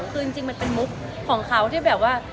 คือจริงมันเป็นมุกของเขาที่แบบว่า